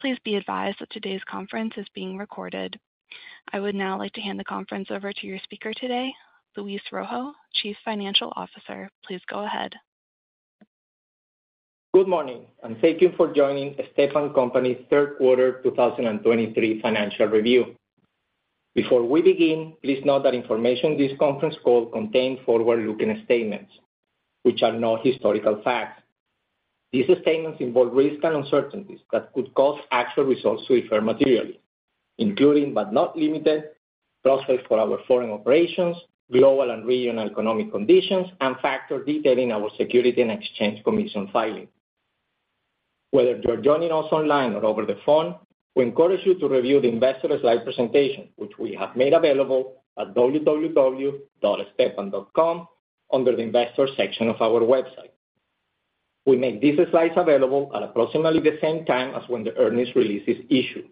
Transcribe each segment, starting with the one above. Please be advised that today's conference is being recorded. I would now like to hand the conference over to your speaker today, Luis Rojo, Chief Financial Officer. Please go ahead. Good morning, and thank you for joining Stepan Company's third quarter 2023 financial review. Before we begin, please note that information this conference call contains forward-looking statements which are not historical facts. These statements involve risks and uncertainties that could cause actual results to differ materially, including but not limited, prospects for our foreign operations, global and regional economic conditions, and factors detailing our Securities and Exchange Commission filing. Whether you're joining us online or over the phone, we encourage you to review the investor slide presentation, which we have made available at www.stepan.com under the Investor section of our website. We make these slides available at approximately the same time as when the earnings release is issued,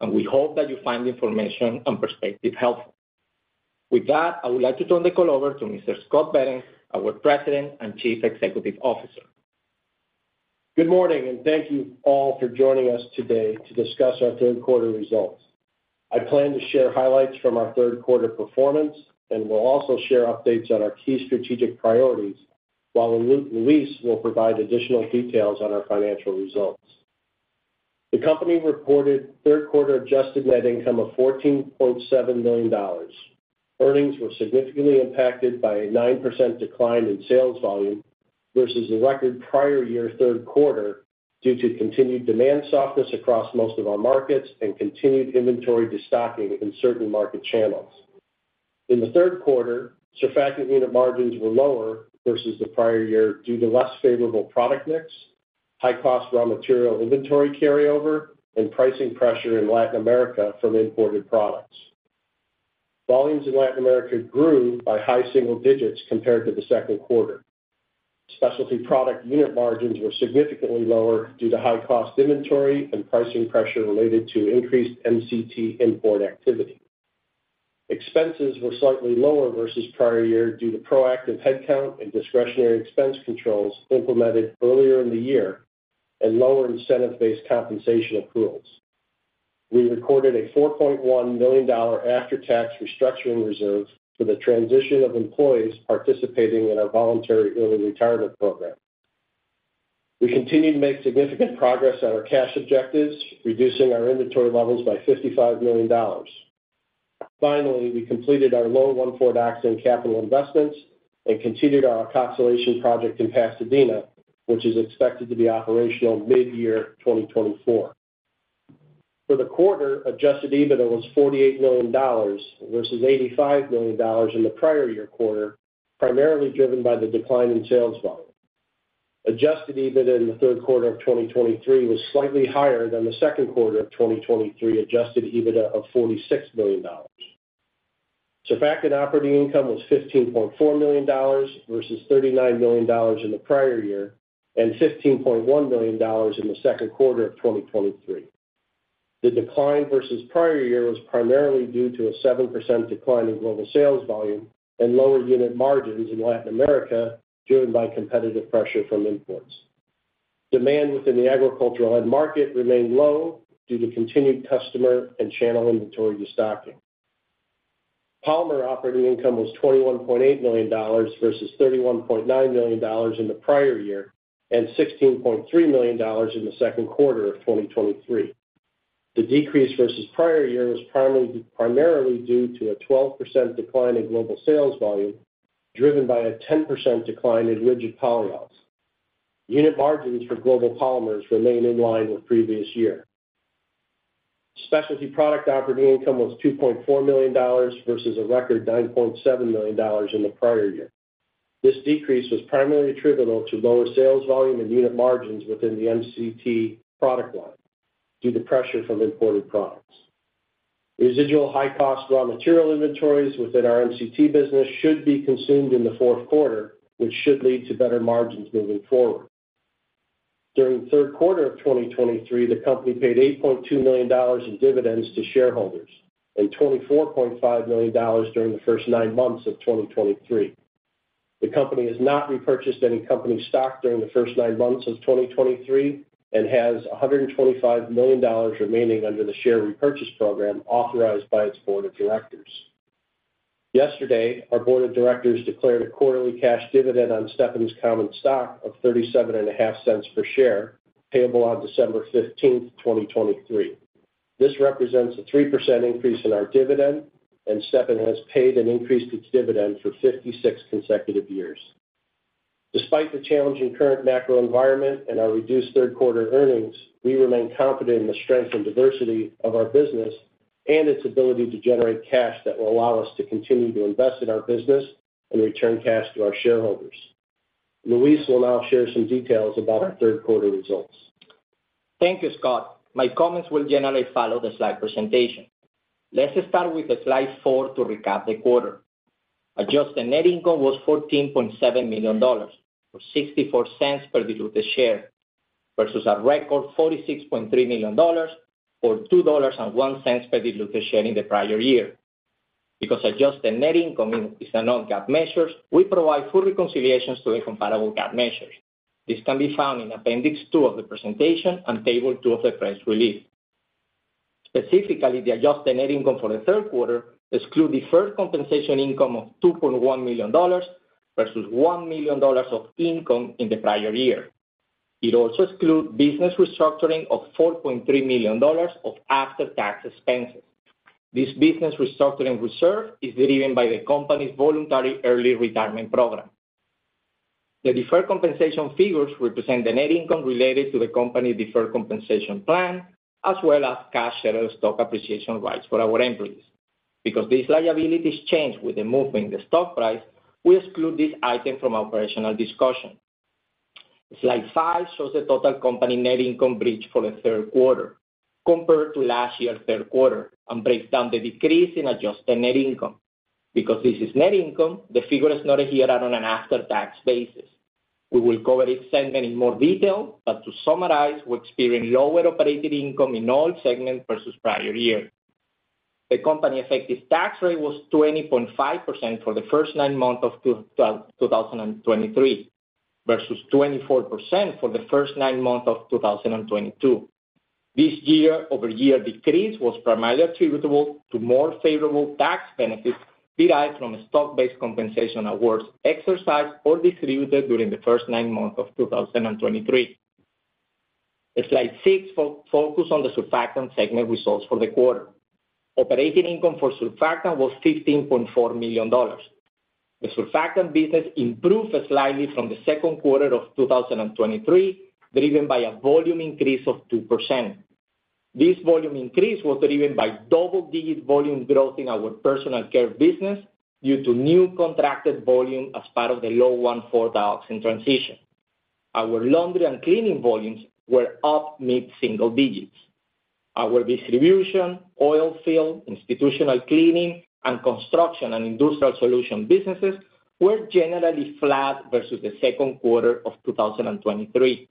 and we hope that you find the information and perspective helpful. With that, I would like to turn the call over to Mr. Scott Behrens, our President and Chief Executive Officer. Good morning, and thank you all for joining us today to discuss our third quarter results. I plan to share highlights from our third quarter performance, and will also share updates on our key strategic priorities, while Luis will provide additional details on our financial results. The company reported third quarter adjusted net income of $14.7 million. Earnings were significantly impacted by a 9% decline in sales volume versus a record prior year third quarter, due to continued demand softness across most of our markets and continued inventory destocking in certain market channels. In the third quarter, surfactant unit margins were lower versus the prior year due to less favorable product mix, high-cost raw material inventory carryover, and pricing pressure in Latin America from imported products. Volumes in Latin America grew by high single digits compared to the second quarter. Specialty Products unit margins were significantly lower due to high cost inventory and pricing pressure related to increased MCT import activity. Expenses were slightly lower versus prior year due to proactive headcount and discretionary expense controls implemented earlier in the year and lower incentive-based compensation accruals. We recorded a $4.1 million after-tax restructuring reserve for the transition of employees participating in our voluntary early retirement program. We continue to make significant progress on our cash objectives, reducing our inventory levels by $55 million. Finally, we completed our low 1,4-dioxane capital investments and continued our alkoxylation project in Pasadena, which is expected to be operational mid-year 2024. For the quarter, Adjusted EBITDA was $48 million, versus $85 million in the prior year quarter, primarily driven by the decline in sales volume. Adjusted EBITDA in the third quarter of 2023 was slightly higher than the second quarter of 2023 Adjusted EBITDA of $46 million. Surfactant operating income was $15.4 million versus $39 million in the prior year, and $15.1 million in the second quarter of 2023. The decline versus prior year was primarily due to a 7% decline in global sales volume and lower unit margins in Latin America, driven by competitive pressure from imports. Demand within the agricultural end market remained low due to continued customer and channel inventory destocking. Polymer operating income was $21.8 million versus $31.9 million in the prior year, and $16.3 million in the second quarter of 2023. The decrease versus prior year was primarily due to a 12% decline in global sales volume, driven by a 10% decline in rigid polyols. Unit margins for global polymers remain in line with previous year. Specialty Products operating income was $2.4 million versus a record $9.7 million in the prior year. This decrease was primarily attributable to lower sales volume and unit margins within the MCT product line, due to pressure from imported products. Residual high cost raw material inventories within our MCT business should be consumed in the fourth quarter, which should lead to better margins moving forward. During the third quarter of 2023, the company paid $8.2 million in dividends to shareholders and $24.5 million during the first nine months of 2023. The company has not repurchased any company stock during the first 9 months of 2023 and has $125 million remaining under the share repurchase program authorized by its board of directors. Yesterday, our board of directors declared a quarterly cash dividend on Stepan's common stock of $0.375 per share, payable on December 15th, 2023. This represents a 3% increase in our dividend, and Stepan has paid and increased its dividend for 56 consecutive years. Despite the challenging current macro environment and our reduced third quarter earnings, we remain confident in the strength and diversity of our business and its ability to generate cash that will allow us to continue to invest in our business and return cash to our shareholders. Luis will now share some details about our third quarter results. Thank you, Scott. My comments will generally follow the slide presentation. Let's start with the Slide four to recap the quarter. Adjusted net income was $14.7 million, or $0.64 per diluted share, versus a record $46.3 million, or $2.01 per diluted share in the prior year. Because adjusted net income is a non-GAAP measure, we provide full reconciliations to the comparable GAAP measures. This can be found in Appendix 2 of the presentation and Table 2 of the press release. Specifically, the adjusted net income for the third quarter exclude deferred compensation income of $2.1 million, versus $1 million of income in the prior year. It also excludes business restructuring of $4.3 million of after-tax expenses. This business restructuring reserve is driven by the company's voluntary early retirement program. The deferred compensation figures represent the net income related to the company's deferred compensation plan, as well as cash-settled stock appreciation rights for our employees. Because these liabilities change with the movement in the stock price, we exclude this item from operational discussion. Slide five shows the total company net income bridge for the third quarter compared to last year's third quarter, and breaks down the decrease in adjusted net income. Because this is net income, the figures noted here are on an after-tax basis. We will cover each segment in more detail, but to summarize, we experienced lower operating income in all segments versus prior year. The company effective tax rate was 20.5% for the first 9 months of 2023, versus 24% for the first 9 months of 2022. This year-over-year decrease was primarily attributable to more favorable tax benefits derived from stock-based compensation awards, exercised or distributed during the first nine months of 2023. The Slide six focus on the Surfactant segment results for the quarter. Operating income for Surfactant was $15.4 million. The Surfactant business improved slightly from the second quarter of 2023, driven by a volume increase of 2%. This volume increase was driven by double-digit volume growth in our personal care business due to new contracted volume as part of the low 1,4-dioxane transition. Our laundry and cleaning volumes were up mid-single digits. Our distribution, oil field, institutional cleaning, and construction, and industrial solution businesses were generally flat versus the second quarter of 2023.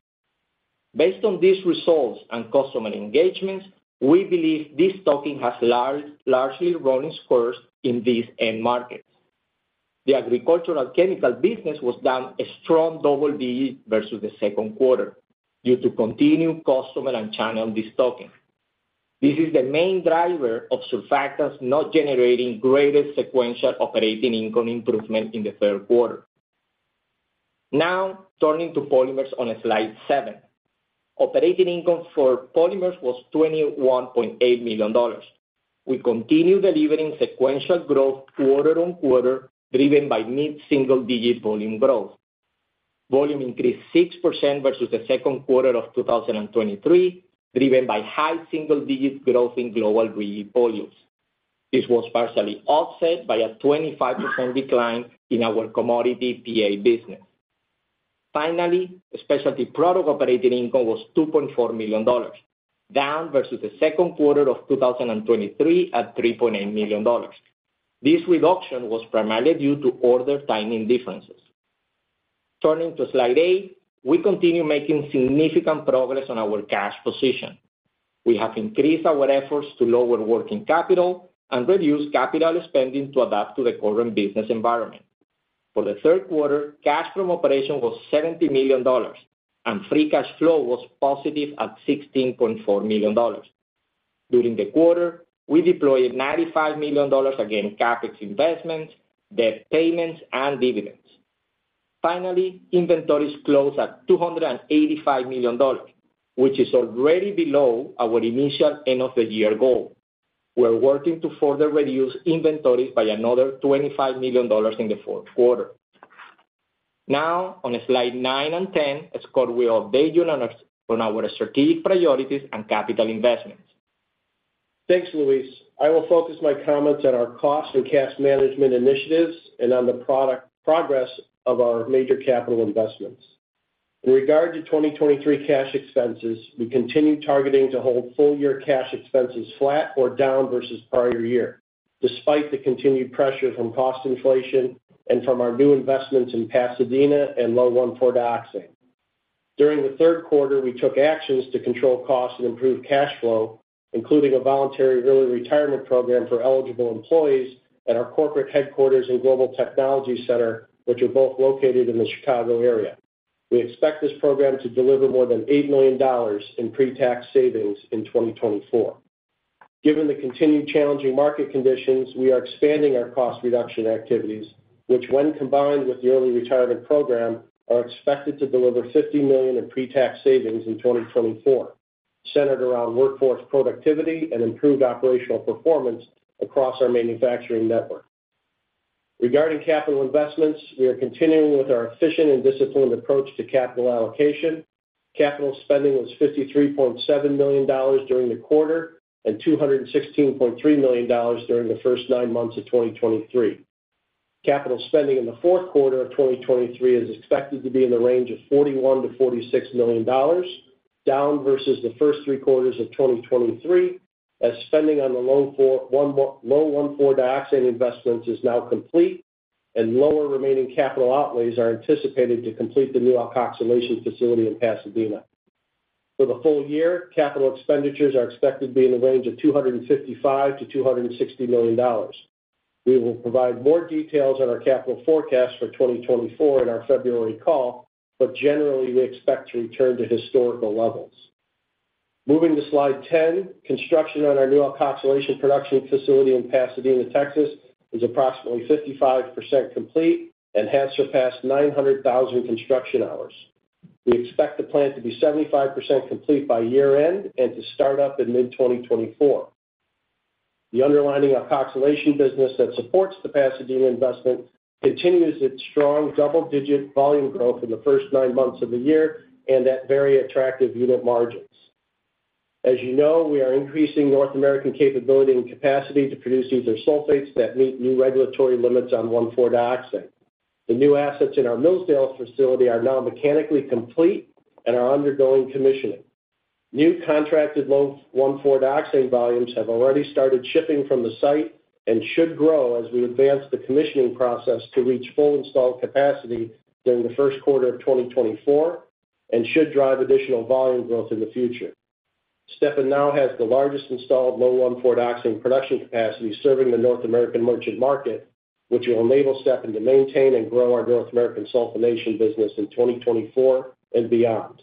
Based on these results and customer engagements, we believe this stocking has largely run its course in these end markets. The agricultural chemical business was down a strong double digits versus the second quarter due to continued customer and channel destocking. This is the main driver of Surfactants not generating greater sequential operating income improvement in the third quarter. Now, turning to Polymers on Slide seven. Operating income for Polymers was $21.8 million. We continue delivering sequential growth quarter-on-quarter, driven by mid-single-digit volume growth. Volume increased 6% versus the second quarter of 2023, driven by high single-digit growth in global green volumes. This was partially offset by a 25% decline in our commodity PA business. Finally, Specialty Products operating income was $2.4 million, down versus the second quarter of 2023 at $3.8 million. This reduction was primarily due to order timing differences. Turning to Slide eight, we continue making significant progress on our cash position. We have increased our efforts to lower working capital and reduce capital spending to adapt to the current business environment. For the third quarter, cash from operation was $70 million, and free cash flow was positive at $16.4 million. During the quarter, we deployed $95 million against CapEx investments, debt payments, and dividends. Finally, inventories closed at $285 million, which is already below our initial end-of-the-year goal. We're working to further reduce inventories by another $25 million in the fourth quarter. Now, on Slide nine and 10, Scott will update you on our strategic priorities and capital investments. Thanks, Luis. I will focus my comments on our cost and cash management initiatives and on the project progress of our major capital investments. In regard to 2023 cash expenses, we continue targeting to hold full-year cash expenses flat or down versus prior year, despite the continued pressure from cost inflation and from our new investments in Pasadena and low 1,4-dioxane. During the third quarter, we took actions to control costs and improve cash flow, including a voluntary early retirement program for eligible employees at our corporate headquarters and Global Technology Center, which are both located in the Chicago area. We expect this program to deliver more than $80 million in pre-tax savings in 2024. Given the continued challenging market conditions, we are expanding our cost reduction activities, which when combined with the early retirement program, are expected to deliver $50 million in pre-tax savings in 2024, centered around workforce productivity and improved operational performance across our manufacturing network. Regarding capital investments, we are continuing with our efficient and disciplined approach to capital allocation. Capital spending was $53.7 million during the quarter, and $216.3 million during the first nine months of 2023. Capital spending in the fourth quarter of 2023 is expected to be in the range of $41 million-$46 million, down versus the first three quarters of 2023, as spending on the low 1,4-dioxane investments is now complete, and lower remaining capital outlays are anticipated to complete the new alkoxylation facility in Pasadena. For the full year, capital expenditures are expected to be in the range of $255 million-$260 million. We will provide more details on our capital forecast for 2024 in our February call, but generally, we expect to return to historical levels. Moving to Slide 10, construction on our new alkoxylation production facility in Pasadena, Texas, is approximately 55% complete and has surpassed 900,000 construction hours. We expect the plant to be 75% complete by year-end and to start up in mid-2024. The underlying alkoxylation business that supports the Pasadena investment continues its strong double-digit volume growth in the first nine months of the year and at very attractive unit margins. As you know, we are increasing North American capability and capacity to produce ether sulfates that meet new regulatory limits on 1,4-dioxane. The new assets in our Millsdale facility are now mechanically complete and are undergoing commissioning. New contracted low 1,4-dioxane volumes have already started shipping from the site and should grow as we advance the commissioning process to reach full installed capacity during the first quarter of 2024 and should drive additional volume growth in the future. Stepan now has the largest installed low 1,4-dioxane production capacity, serving the North American merchant market, which will enable Stepan to maintain and grow our North American sulfonation business in 2024 and beyond.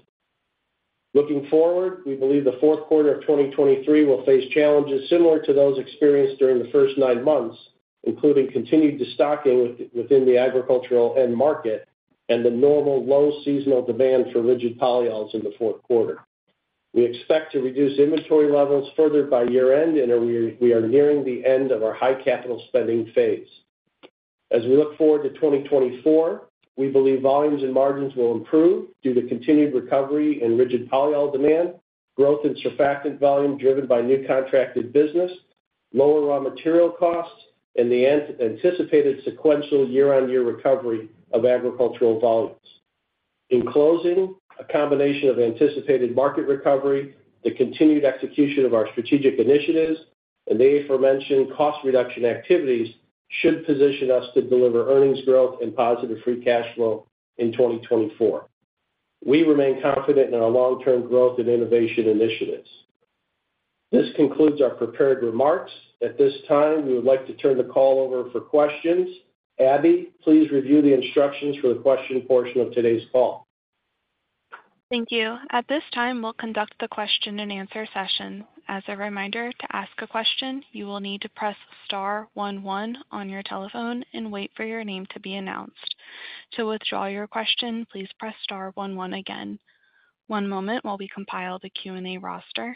Looking forward, we believe the fourth quarter of 2023 will face challenges similar to those experienced during the first nine months, including continued destocking within the agricultural end market and the normal low seasonal demand for rigid polyols in the fourth quarter. We expect to reduce inventory levels further by year-end, and we are nearing the end of our high capital spending phase. As we look forward to 2024, we believe volumes and margins will improve due to continued recovery in rigid polyol demand, growth in surfactant volume driven by new contracted business, lower raw material costs, and the anticipated sequential year-on-year recovery of agricultural volumes. In closing, a combination of anticipated market recovery, the continued execution of our strategic initiatives, and the aforementioned cost reduction activities, should position us to deliver earnings growth and positive free cash flow in 2024. We remain confident in our long-term growth and innovation initiatives. This concludes our prepared remarks. At this time, we would like to turn the call over for questions. Abby, please review the instructions for the question portion of today's call. Thank you. At this time, we'll conduct the question-and-answer session. As a reminder, to ask a question, you will need to press star one, one on your telephone and wait for your name to be announced. To withdraw your question, please press star one, one again. One moment while we compile the Q&A roster.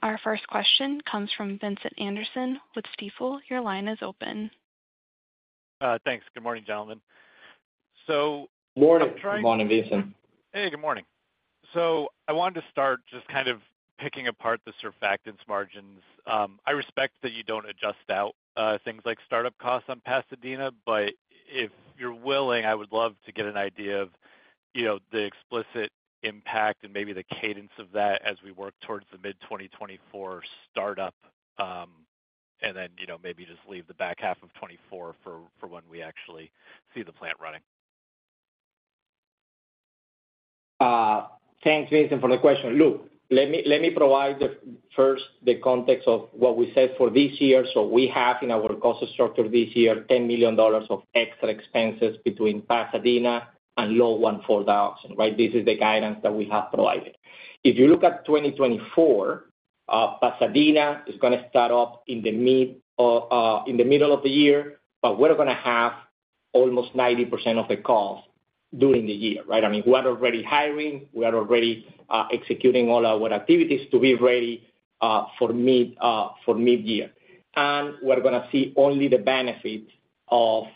Our first question comes from Vincent Anderson with Stifel. Your line is open. Thanks. Good morning, gentlemen. So- Good morning. Good morning, Vincent. Hey, good morning. So I wanted to start just kind of picking apart the surfactants margins. I respect that you don't adjust out things like startup costs on Pasadena, but if you're willing, I would love to get an idea of, you know, the explicit impact and maybe the cadence of that as we work towards the mid-2024 startup. And then, you know, maybe just leave the back half of 2024 for when we actually see the plant running. Thanks, Vincent, for the question. Look, let me provide first the context of what we said for this year. So we have in our cost structure this year, $10 million of extra expenses between Pasadena and low 1,4-dioxane, right? This is the guidance that we have provided. If you look at 2024, Pasadena is gonna start up in the middle of the year, but we're gonna have almost 90% of the cost during the year, right? I mean, we are already hiring, we are already executing all our activities to be ready for mid-year. And we're gonna see only the benefit of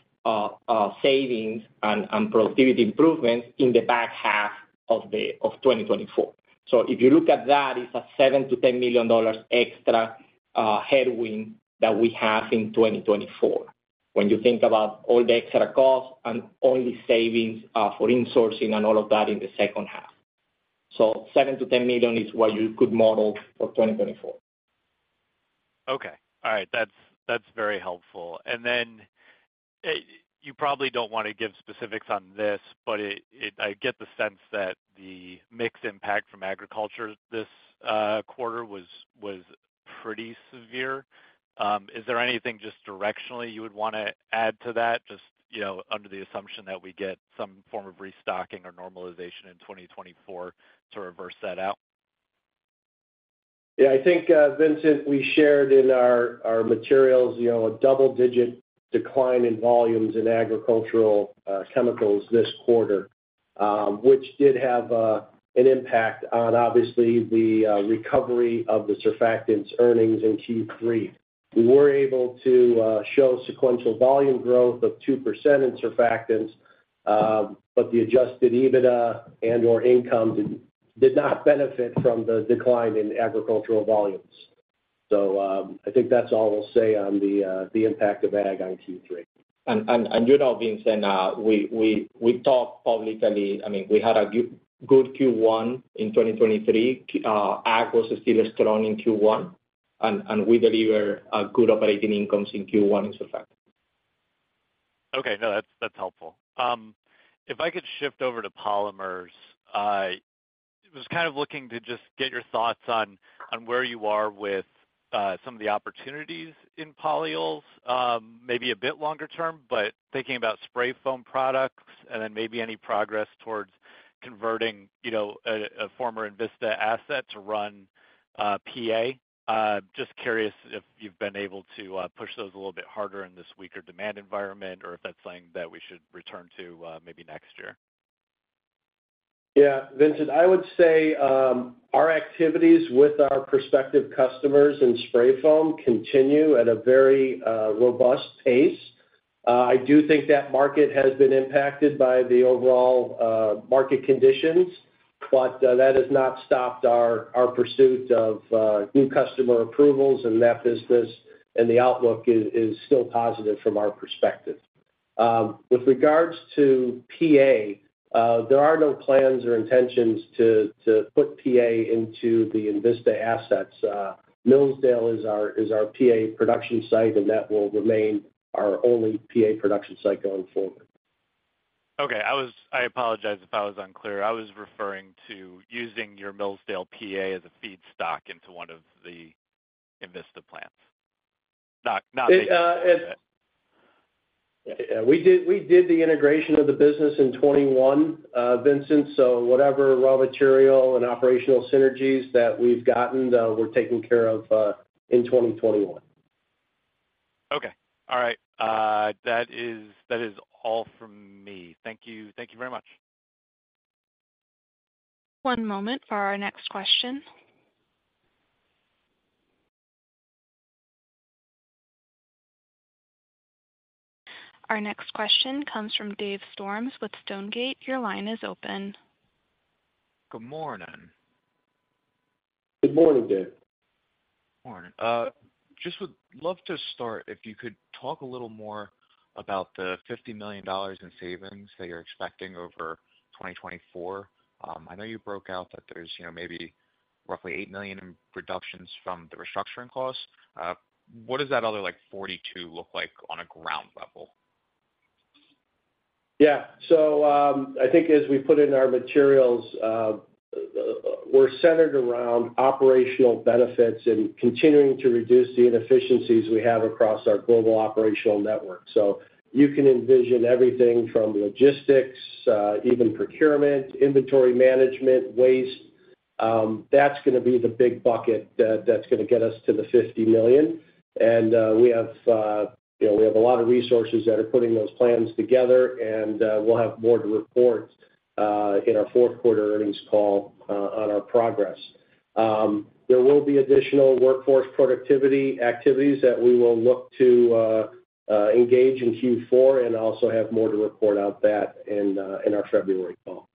savings and productivity improvements in the back half of 2024. So if you look at that, it's a $7 million-$10 million extra headwind that we have in 2024. When you think about all the extra costs and only savings for insourcing and all of that in the second half. So $7 million-$10 million is what you could model for 2024. Okay. All right. That's, that's very helpful. And then, you probably don't want to give specifics on this, but I get the sense that the mixed impact from agriculture this quarter was pretty severe. Is there anything just directionally you would want to add to that, just, you know, under the assumption that we get some form of restocking or normalization in 2024 to reverse that out? Yeah, I think, Vincent, we shared in our materials, you know, a double-digit decline in volumes in agricultural chemicals this quarter, which did have an impact on obviously the recovery of the surfactants earnings in Q3. We were able to show sequential volume growth of 2% in surfactants, but the Adjusted EBITDA and or income did not benefit from the decline in agricultural volumes. So, I think that's all we'll say on the impact of ag on Q3. And you know, Vincent, we talked publicly. I mean, we had a good Q1 in 2023. Ag was still strong in Q1. and we deliver a good operating incomes in Q1 as a fact. Okay, no, that's, that's helpful. If I could shift over to polymers, I was kind of looking to just get your thoughts on, on where you are with, some of the opportunities in polyols, maybe a bit longer term, but thinking about spray foam products and then maybe any progress towards converting, you know, a, a former Invista asset to run, PA. Just curious if you've been able to, push those a little bit harder in this weaker demand environment or if that's something that we should return to, maybe next year. Yeah, Vincent, I would say, our activities with our prospective customers in spray foam continue at a very, robust pace. I do think that market has been impacted by the overall, market conditions, but, that has not stopped our pursuit of, new customer approvals in that business, and the outlook is still positive from our perspective. With regards to PA, there are no plans or intentions to put PA into the Invista assets. Millsdale is our PA production site, and that will remain our only PA production site going forward. Okay. I apologize if I was unclear. I was referring to using your Millsdale PA as a feedstock into one of the Invista plants. Yeah, we did the integration of the business in 2021, Vincent, so whatever raw material and operational synergies that we've gotten were taken care of in 2021. Okay. All right. That is, that is all from me. Thank you. Thank you very much. One moment for our next question. Our next question comes from Dave Storms with Stonegate. Your line is open. Good morning. Good morning, Dave. Morning. Just would love to start, if you could talk a little more about the $50 million in savings that you're expecting over 2024. I know you broke out that there's, you know, maybe roughly $8 million in reductions from the restructuring costs. What does that other like 42 look like on a ground level? Yeah. So, I think as we put in our materials, we're centered around operational benefits and continuing to reduce the inefficiencies we have across our global operational network. So you can envision everything from logistics, even procurement, inventory management, waste, that's gonna be the big bucket that's gonna get us to the $50 million. And, we have, you know, we have a lot of resources that are putting those plans together, and, we'll have more to report, in our fourth quarter earnings call, on our progress. There will be additional workforce productivity activities that we will look to, engage in Q4 and also have more to report out that in, in our February call.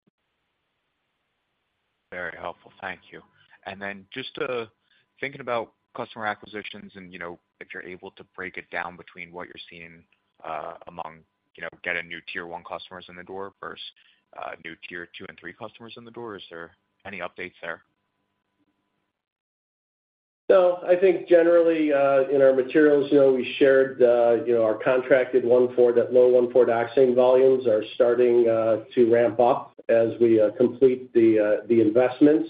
Very helpful. Thank you. And then just, thinking about customer acquisitions, and, you know, if you're able to break it down between what you're seeing, among, you know, getting new Tier One customers in the door versus, new Tier Two and Three customers in the door. Is there any updates there? So I think generally, in our materials, you know, we shared, you know, our contracted 1,4-, that low 1,4-dioxane volumes are starting to ramp up as we complete the investments.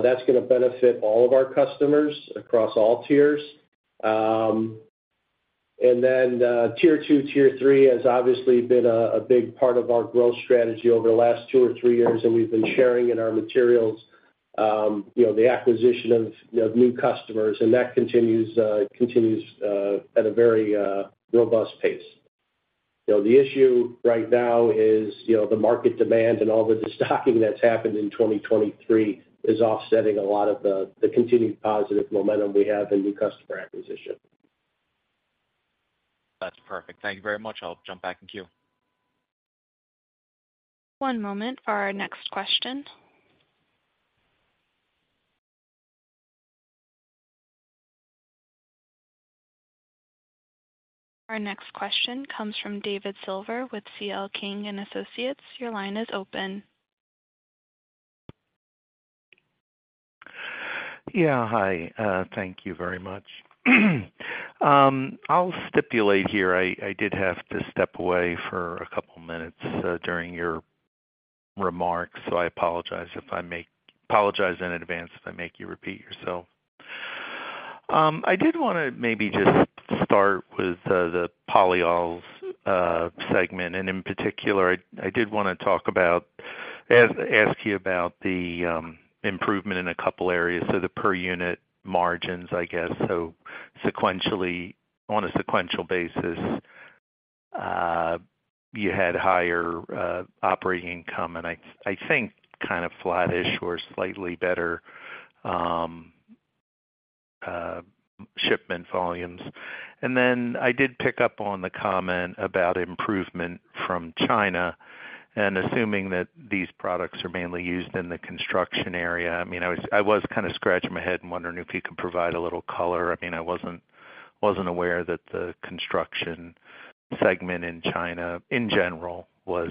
That's gonna benefit all of our customers across all tiers. And then, Tier 2, Tier 3 has obviously been a big part of our growth strategy over the last two or three years, and we've been sharing in our materials, you know, the acquisition of new customers, and that continues at a very robust pace. You know, the issue right now is, you know, the market demand and all the destocking that's happened in 2023 is offsetting a lot of the continued positive momentum we have in new customer acquisition. That's perfect. Thank you very much. I'll jump back in queue. One moment for our next question. Our next question comes from David Silver with C.L. King & Associates. Your line is open. Yeah. Hi, thank you very much. I'll stipulate here, I did have to step away for a couple minutes during your remarks, so I apologize in advance if I make you repeat yourself. I did want to maybe just start with the polyols segment, and in particular, I did want to talk about, ask you about the improvement in a couple areas, so the per unit margins, I guess. So sequentially, on a sequential basis, you had higher operating income, and I think kind of flattish or slightly better shipment volumes. And then I did pick up on the comment about improvement from China, and assuming that these products are mainly used in the construction area, I mean, I was kind of scratching my head and wondering if you could provide a little color. I mean, I wasn't aware that the construction segment in China, in general, was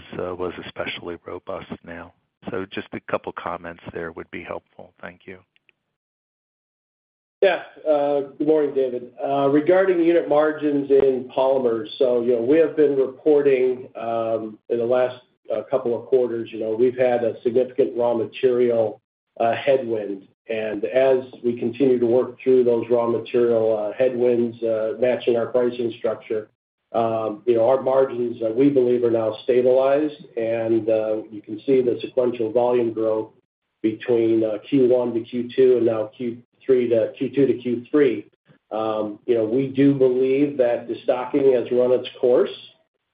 especially robust now. So just a couple comments there would be helpful. Thank you. Yeah. Good morning, David. Regarding unit margins in Polymers, so, you know, we have been reporting in the last couple of quarters, you know, we've had a significant raw material headwind. And as we continue to work through those raw material headwinds, matching our pricing structure, you know, our margins, we believe, are now stabilized. And you can see the sequential volume growth between Q1 to Q2 and now Q3 to Q2 to Q3. You know, we do believe that the destocking has run its course,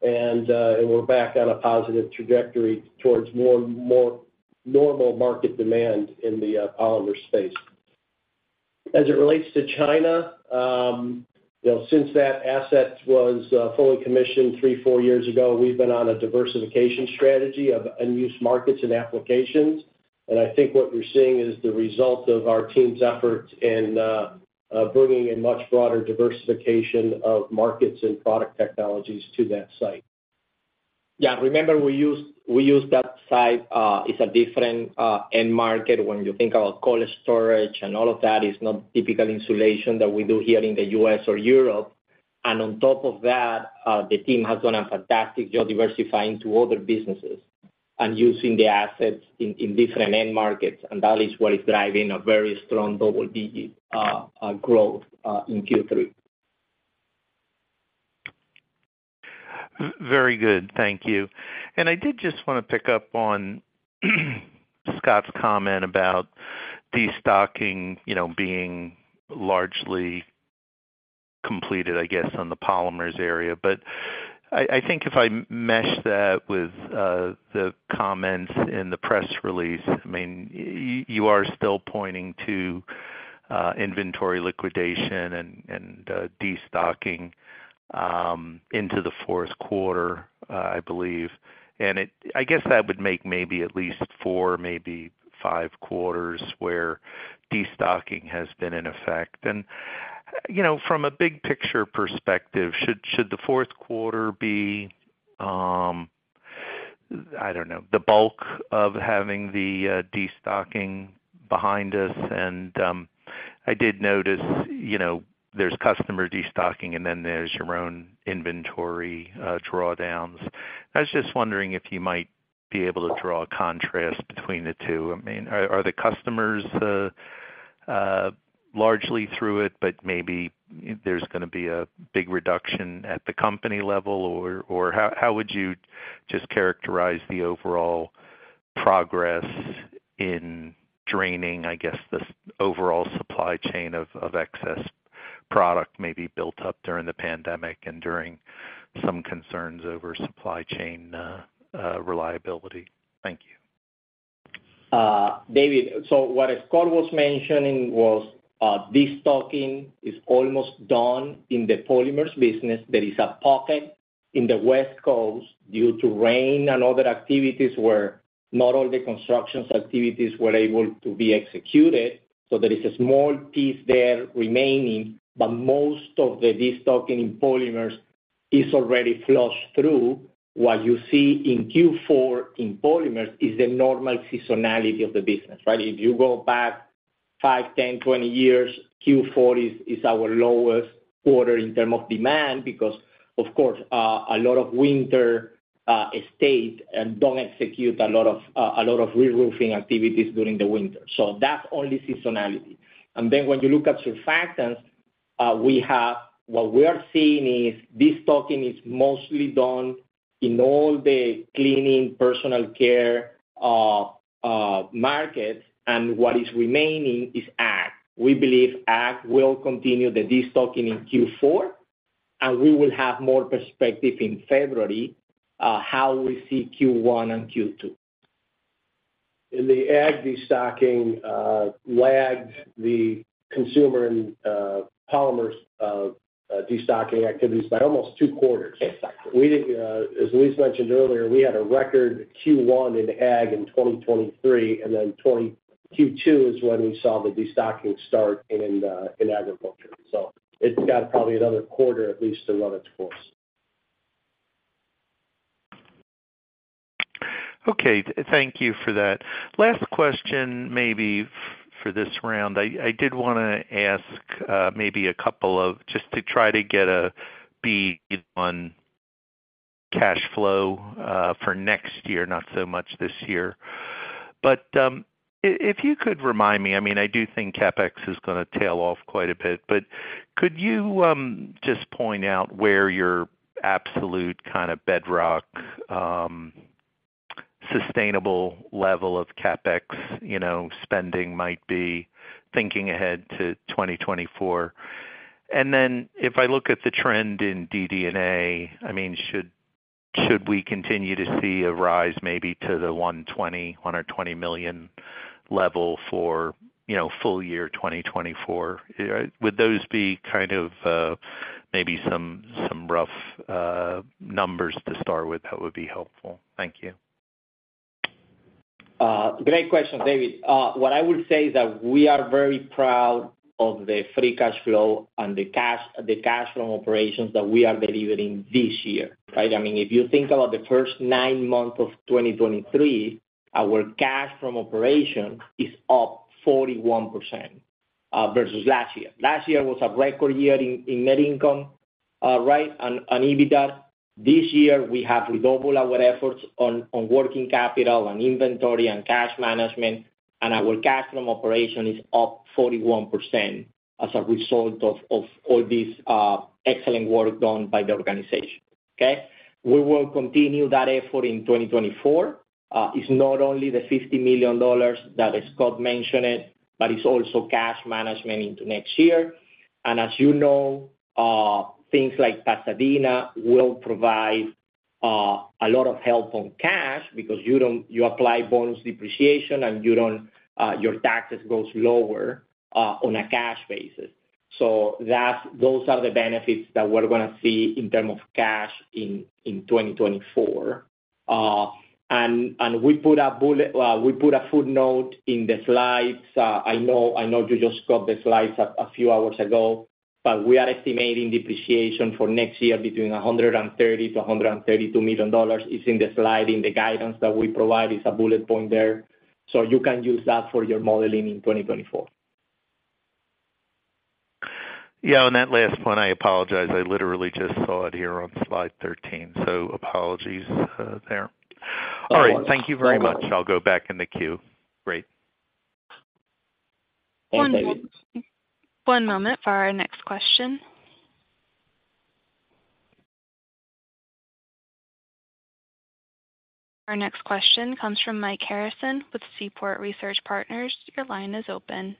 and we're back on a positive trajectory towards more normal market demand in the Polymers space. As it relates to China, you know, since that asset was fully commissioned three, four years ago, we've been on a diversification strategy of unused markets and applications. I think what we're seeing is the result of our team's efforts in bringing a much broader diversification of markets and product technologies to that site. Yeah. Remember, we use that site, it's a different end market. When you think about cold storage and all of that, it's not typical insulation that we do here in the U.S. or Europe. And on top of that, the team has done a fantastic job diversifying to other businesses and using the assets in different end markets, and that is what is driving a very strong double-digit growth in Q3. Very good. Thank you. And I did just wanna pick up on Scott's comment about destocking, you know, being largely completed, I guess, on the polymers area. But I think if I mesh that with the comments in the press release, I mean, you are still pointing to inventory liquidation and destocking into the fourth quarter, I believe. I guess that would make maybe at least four, maybe five quarters, where destocking has been in effect. And, you know, from a big picture perspective, should the fourth quarter be, I don't know, the bulk of having the destocking behind us? And I did notice, you know, there's customer destocking, and then there's your own inventory drawdowns. I was just wondering if you might be able to draw a contrast between the two. I mean, are the customers largely through it, but maybe there's gonna be a big reduction at the company level? Or how would you just characterize the overall progress in draining, I guess, the overall supply chain of excess product maybe built up during the pandemic and during some concerns over supply chain reliability? Thank you. David, so what Scott was mentioning was, destocking is almost done in the Polymers business. There is a pocket in the West Coast due to rain and other activities where not all the construction activities were able to be executed, so there is a small piece there remaining, but most of the destocking in polymers is already flushed through. What you see in Q4 in polymers is the normal seasonality of the business, right? If you go back 5, 10, 20 years, Q4 is our lowest quarter in terms of demand because, of course, a lot of winter states don't execute a lot of reroofing activities during the winter. So that's only seasonality. Then when you look at Surfactants, what we are seeing is destocking is mostly done in all the cleaning, personal care, markets, and what is remaining is ag. We believe ag will continue the destocking in Q4, and we will have more perspective in February, how we see Q1 and Q2. In the ag destocking lagged the consumer and polymers destocking activities by almost two quarters. Yes. We did, as Luis mentioned earlier, we had a record Q1 in ag in 2023, and then 2023 Q2 is when we saw the destocking start in agriculture. So it's got probably another quarter at least to run its course. Okay. Thank you for that. Last question maybe for this round. I did wanna ask, maybe a couple of. Just to try to get a bead on cash flow, for next year, not so much this year. But, if you could remind me, I mean, I do think CapEx is gonna tail off quite a bit, but could you, just point out where your absolute kind of bedrock, sustainable level of CapEx, you know, spending might be, thinking ahead to 2024? And then if I look at the trend in DD&A, I mean, should we continue to see a rise maybe to the $120 million level for, you know, full year 2024? Would those be kind of, maybe some rough numbers to start with? That would be helpful. Thank you. Great question, David. What I would say is that we are very proud of the free cash flow and the cash, the cash from operations that we are delivering this year, right? I mean, if you think about the first nine months of 2023, our cash from operation is up 41% versus last year. Last year was a record year in net income, right? And EBITDA. This year, we have redoubled our efforts on working capital and inventory and cash management, and our cash from operation is up 41% as a result of all this excellent work done by the organization, okay? We will continue that effort in 2024. It's not only the $50 million that, as Scott mentioned it, but it's also cash management into next year. As you know, things like Pasadena will provide a lot of help on cash because you don't, you apply bonus depreciation and you don't, your taxes goes lower, on a cash basis. So that's, those are the benefits that we're gonna see in terms of cash in, in 2024. And we put a bullet, we put a footnote in the slides. I know, I know you just got the slides a, a few hours ago, but we are estimating depreciation for next year between $130-$132 million. It's in the slide, in the guidance that we provide, it's a bullet point there. So you can use that for your modeling in 2024. Yeah, on that last point, I apologize. I literally just saw it here on Slide 13, so apologies, there. No worries. All right. Thank you very much. I'll go back in the queue. Great. One moment for our next question. Our next question comes from Mike Harrison with Seaport Research Partners. Your line is open.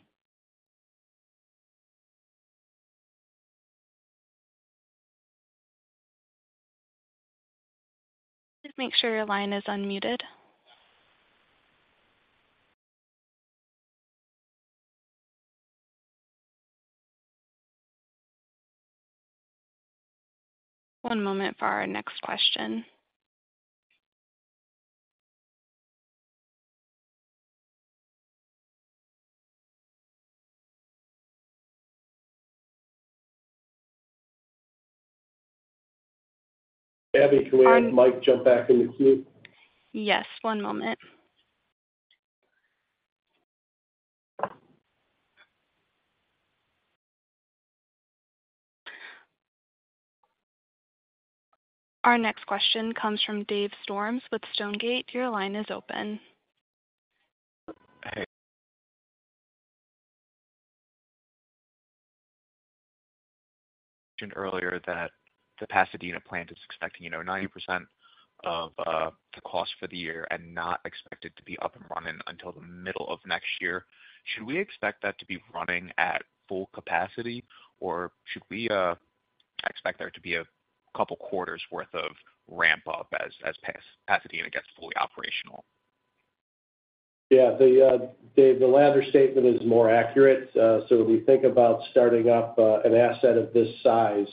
Please make sure your line is unmuted. One moment for our next question. Abby, can we have Mike jump back in the queue? Yes, one moment. Our next question comes from Dave Storms with Stonegate. Your line is open. Hey. Mentioned earlier that the Pasadena plant is expecting, you know, 90% of the cost for the year and not expected to be up and running until the middle of next year. Should we expect that to be running at full capacity, or should we expect there to be a couple quarters worth of ramp up as Pasadena gets fully operational? Yeah, Dave, the latter statement is more accurate. So if we think about starting up an asset of this size,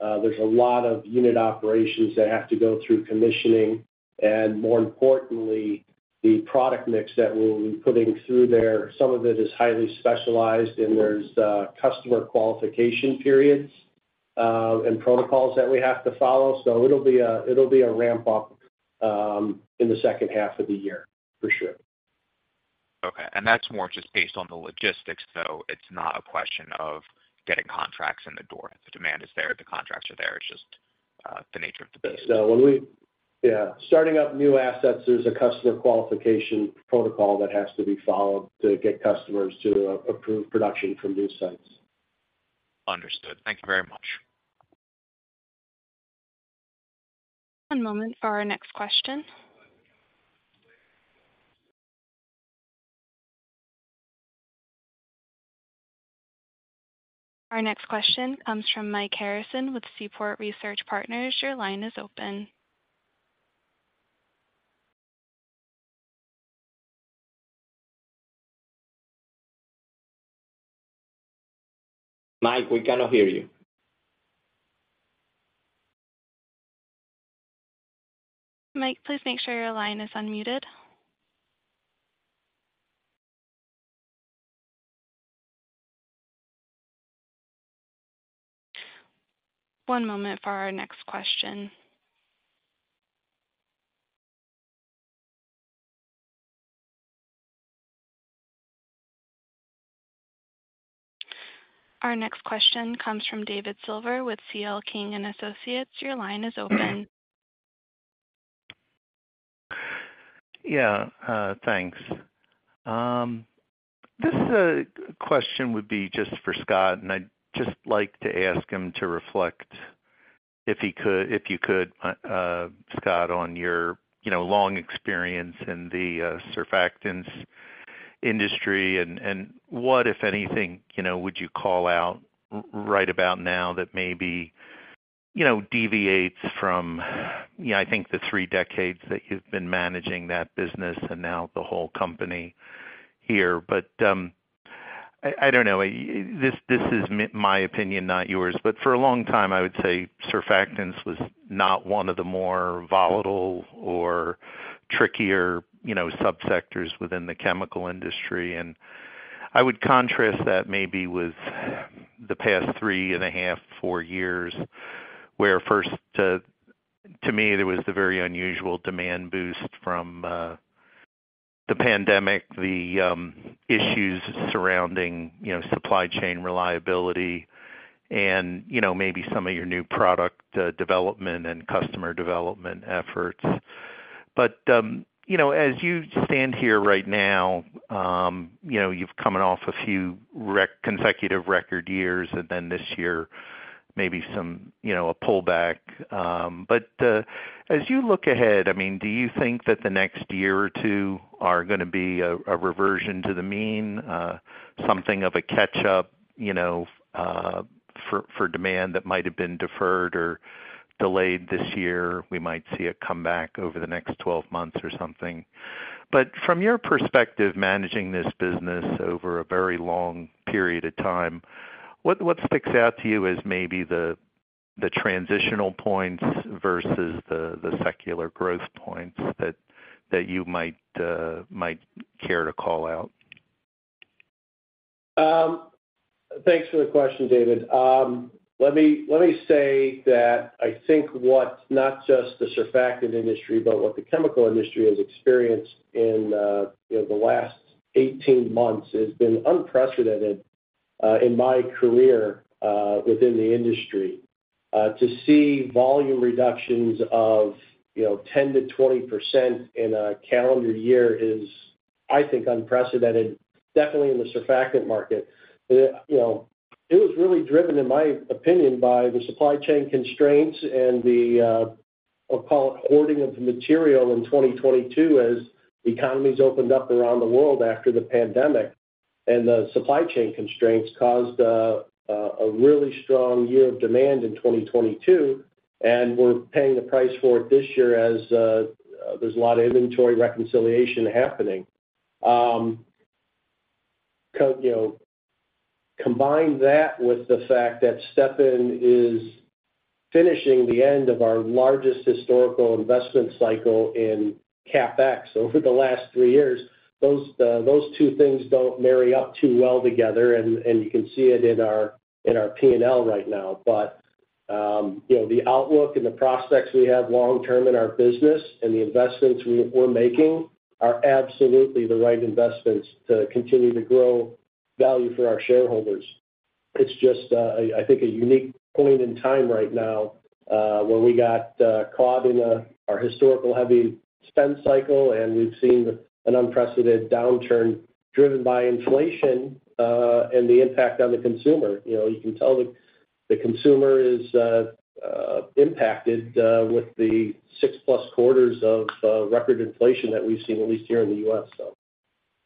there's a lot of unit operations that have to go through commissioning, and more importantly, the product mix that we'll be putting through there. Some of it is highly specialized, and there's customer qualification periods and protocols that we have to follow. So it'll be a, it'll be a ramp up in the second half of the year, for sure. Okay. And that's more just based on the logistics, though. It's not a question of getting contracts in the door. The demand is there, the contracts are there, it's just, the nature of the business. No. When we... Yeah, starting up new assets, there's a customer qualification protocol that has to be followed to get customers to approve production from new sites. Understood. Thank you very much. One moment for our next question. Our next question comes from Mike Harrison with Seaport Research Partners. Your line is open. Mike, we cannot hear you. Mike, please make sure your line is unmuted. One moment for our next question. Our next question comes from David Silver with C.L. King & Associates. Your line is open. Yeah, thanks. This question would be just for Scott, and I'd just like to ask him to reflect if he could, if you could, Scott, on your, you know, long experience in the surfactants industry and what, if anything, you know, would you call out right about now that maybe, you know, deviates from, you know, I think the three decades that you've been managing that business and now the whole company here, but I don't know, this is my opinion, not yours, but for a long time, I would say surfactants was not one of the more volatile or trickier, you know, subsectors within the chemical industry. And I would contrast that maybe with the past 3.5, 4 years, where first, to me, there was the very unusual demand boost from, the pandemic, the, issues surrounding, you know, supply chain reliability and, you know, maybe some of your new product, development and customer development efforts. But, you know, as you stand here right now, you know, you've coming off a few consecutive record years, and then this year, maybe some, you know, a pullback. But, as you look ahead, I mean, do you think that the next year or two are gonna be a, a reversion to the mean, something of a catch-up, you know, for, for demand that might have been deferred or delayed this year, we might see a comeback over the next 12 months or something? But from your perspective, managing this business over a very long period of time, what, what sticks out to you as maybe the, the transitional points versus the, the secular growth points that, that you might, might care to call out? Thanks for the question, David. Let me say that I think what, not just the surfactant industry, but what the chemical industry has experienced in you know, the last 18 months, has been unprecedented in my career within the industry. To see volume reductions of you know, 10%-20% in a calendar year is, I think, unprecedented, definitely in the surfactant market. But you know, it was really driven, in my opinion, by the supply chain constraints and the I'll call it, hoarding of the material in 2022 as economies opened up around the world after the pandemic. And the supply chain constraints caused a really strong year of demand in 2022, and we're paying the price for it this year as there's a lot of inventory reconciliation happening. You know, combine that with the fact that Stepan is finishing the end of our largest historical investment cycle in CapEx over the last three years. Those, those two things don't marry up too well together, and, and you can see it in our, in our P&L right now. But, you know, the outlook and the prospects we have long term in our business and the investments we're making are absolutely the right investments to continue to grow value for our shareholders. It's just, I think, a unique point in time right now, where we got, caught in a, our historical heavy spend cycle, and we've seen an unprecedented downturn, driven by inflation, and the impact on the consumer. You know, you can tell the consumer is impacted with the six plus quarters of record inflation that we've seen, at least here in the U.S. So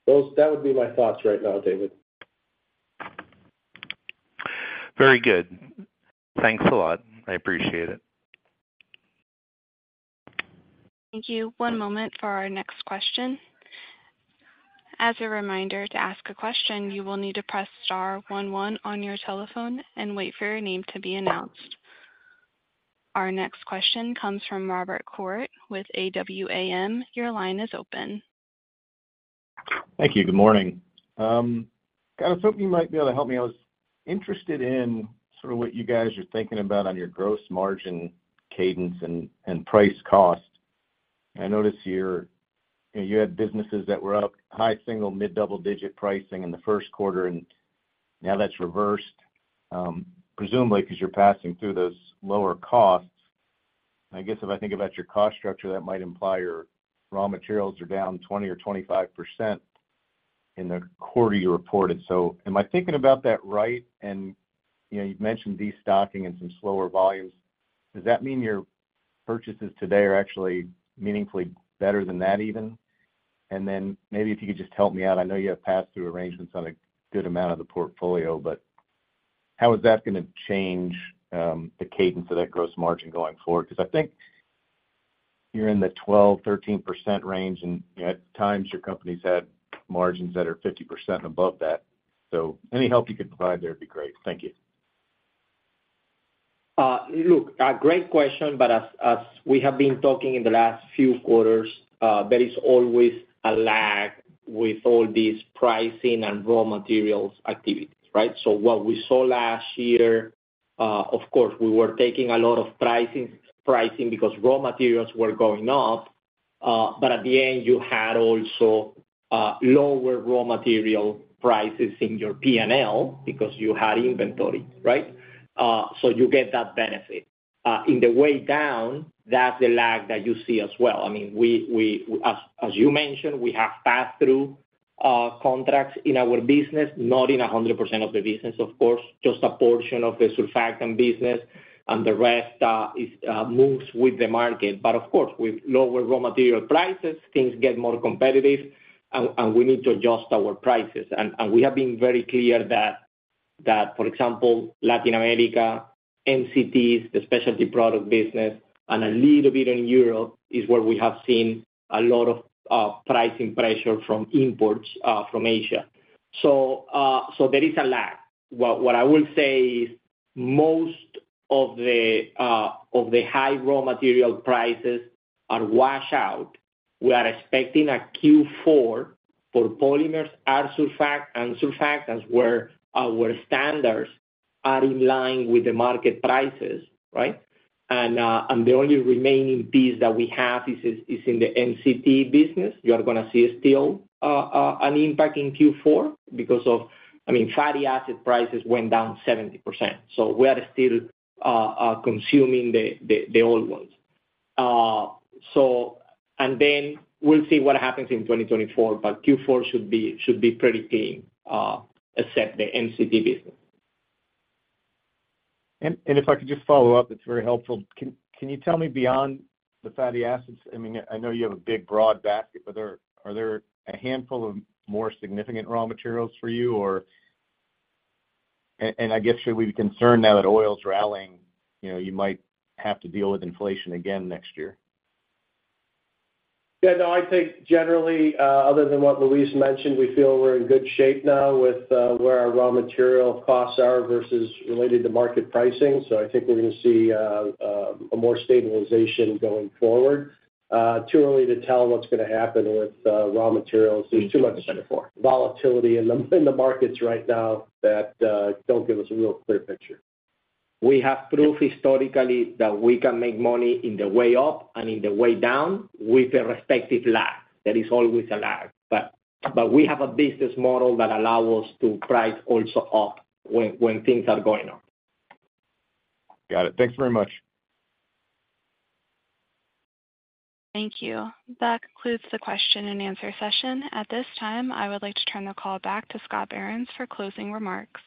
those, that would be my thoughts right now, David. Very good. Thanks a lot. I appreciate it. Thank you. One moment for our next question. As a reminder, to ask a question, you will need to press star one one on your telephone and wait for your name to be announced. Our next question comes from Robert Koort with AWAM. Your line is open. Thank you. Good morning. Kind of hoping you might be able to help me. I was interested in sort of what you guys are thinking about on your gross margin cadence and price cost. I noticed you had businesses that were up high single-digit, mid-double-digit pricing in the first quarter, and now that's reversed, presumably because you're passing through those lower costs. I guess, if I think about your cost structure, that might imply your raw materials are down 20 or 25% in the quarter you reported. So am I thinking about that right? And, you know, you've mentioned destocking and some slower volumes. Does that mean your purchases today are actually meaningfully better than that, even? Then maybe if you could just help me out, I know you have pass-through arrangements on a good amount of the portfolio, but how is that gonna change the cadence of that gross margin going forward? Because I think you're in the 12%-13% range, and at times your company's had margins that are 50% above that. So any help you could provide there would be great. Thank you. Look, a great question, but as we have been talking in the last few quarters, there is always a lag with all these pricing and raw materials activities, right? So what we saw last year, of course, we were taking a lot of pricing, pricing because raw materials were going up. But at the end, you had also lower raw material prices in your P&L because you had inventory, right? So you get that benefit. In the way down, that's the lag that you see as well. I mean, as you mentioned, we have pass-through contracts in our business, not in a hundred percent of the business, of course, just a portion of the surfactant business, and the rest is moves with the market. But of course, with lower raw material prices, things get more competitive, and we need to adjust our prices. And we have been very clear that that, for example, Latin America, MCTs, the specialty product business, and a little bit in Europe, is where we have seen a lot of pricing pressure from imports from Asia. So there is a lag. What I will say is most of the high raw material prices are washed out. We are expecting a Q4 for polymers and surfactants, where our standards are in line with the market prices, right? And the only remaining piece that we have is in the MCT business. You are gonna see still an impact in Q4 because of, I mean, fatty acid prices went down 70%, so we are still consuming the old ones. So and then we'll see what happens in 2024, but Q4 should be pretty clean, except the MCT business. And if I could just follow up, it's very helpful. Can you tell me beyond the fatty acids? I mean, I know you have a big, broad basket, but are there a handful of more significant raw materials for you, or... And I guess, should we be concerned now that oil's rallying? You know, you might have to deal with inflation again next year? Yeah, no, I think generally, other than what Luis mentioned, we feel we're in good shape now with where our raw material costs are versus related to market pricing. So I think we're gonna see a more stabilization going forward. Too early to tell what's gonna happen with raw materials. There's too much- Twenty twenty-four. volatility in the markets right now that don't give us a real clear picture. We have proof historically that we can make money in the way up and in the way down, with a respective lag. There is always a lag, but we have a business model that allow us to price also up when things are going up. Got it. Thanks very much. Thank you. That concludes the question and answer session. At this time, I would like to turn the call back to Scott Behrens for closing remarks.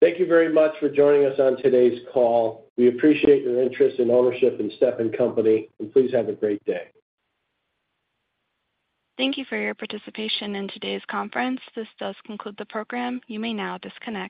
Thank you very much for joining us on today's call. We appreciate your interest and ownership in Stepan Company, and please have a great day. Thank you for your participation in today's conference. This does conclude the program. You may now disconnect.